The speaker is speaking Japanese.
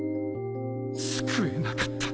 救えなかった。